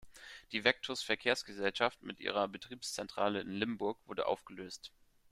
Die "Vectus Verkehrsgesellschaft" mit ihrer Betriebszentrale in Limburg wurde aufgelöst.